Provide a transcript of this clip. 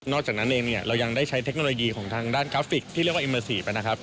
นอกจากนั้นเองเรายังได้ใช้เทคโนโลยีของด้านกราฟิกที่เรียกว่าอิมเมอร์ซีฟ